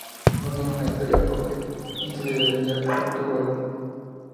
No tenía una historia propia, ni se le rendía culto alguno.